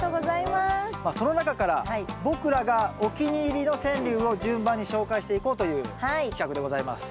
まあその中から僕らがお気に入りの川柳を順番に紹介していこうという企画でございます。